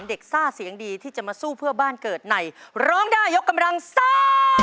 ซ่าเสียงดีที่จะมาสู้เพื่อบ้านเกิดในร้องได้ยกกำลังซ่า